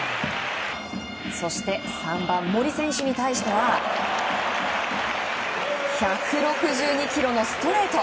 そして３番、森選手に対しては１６２キロのストレート。